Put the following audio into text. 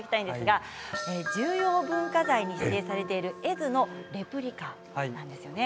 重要文化財に指定されている絵図のレプリカです。